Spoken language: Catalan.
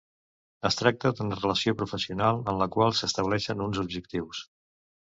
Es tracta d'una relació professional en la qual s'estableixen uns objectius.